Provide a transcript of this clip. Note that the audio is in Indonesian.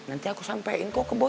nanti aku sampein kok ke boy